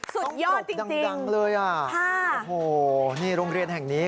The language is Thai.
ต้องปรบดังเลยอะโอ้โฮนี่โรงเรียนแห่งนี้